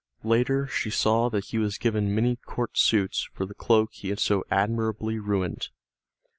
Later she saw that he was given many court suits for the cloak he had so admirably ruined.